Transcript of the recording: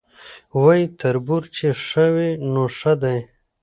وایي تربور چي ښه وي نو ښه دی